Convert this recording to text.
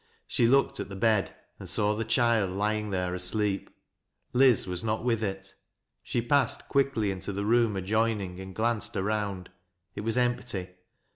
She looked at the bed and saw the child lying there . asleep. Jlz was not with it. She passed quickly into the room adjoining and glanced around. It was empty.